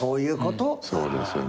そうですよね。